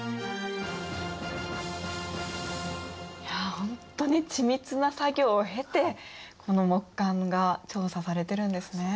いやほんとに緻密な作業を経てこの木簡が調査されてるんですね。